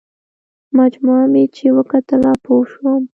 مجموعه مې چې وکتله پوه شوم.